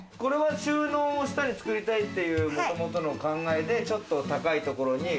これは収納を下に作りたいっていう、もともとの考えでちょっと高いところに。